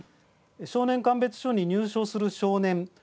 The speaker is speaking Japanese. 少年鑑別所に入所する少年